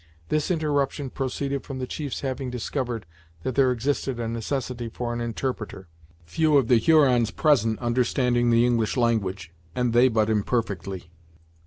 This interruption proceeded from the chief's having discovered that there existed a necessity for an interpreter, few of the Hurons present understanding the English language, and they but imperfectly.